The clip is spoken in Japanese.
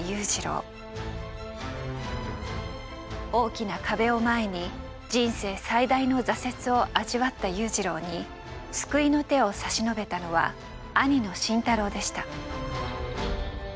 大きな壁を前に人生最大の挫折を味わった裕次郎に救いの手を差し伸べたのは兄の慎太郎でした。